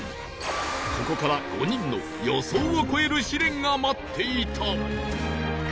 ここから５人の予想を超える試練が待っていた